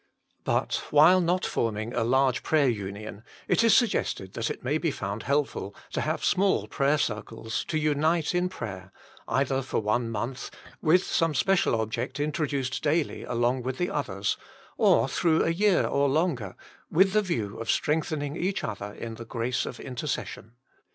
PRAY WITHOUT CEASING But while not forming a large prayer union, it is suggested tnat it may be found helpful to have small prayer circles to unite in prayer, either for one mouth, with some special object introduced daily along with the others, or through a year or longer, with the view of strengthening each other in the grace of intercession.